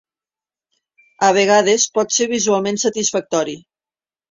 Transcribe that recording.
A vegades pot ser visualment satisfactori.